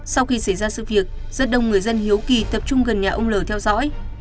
sau khi xảy ra sự việc rất đông người dân hiếu kỳ tập trung gần nhà ông l theo dõi